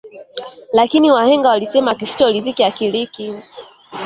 Lakini wahenga walisema kisicho riziki akiliki